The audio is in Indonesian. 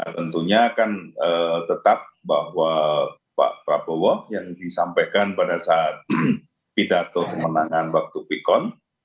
tentunya akan tetap bahwa pak prabowo yang disampaikan pada saat pidato kemenangan waktu quick count